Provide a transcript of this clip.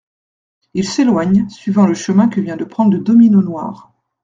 Il s'éloigne, suivant le chemin que vient de prendre le domino noir.